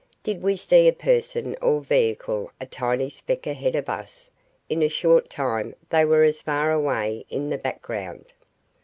Did we see a person or vehicle a tiny speck ahead of us in a short time they were as far away in the background.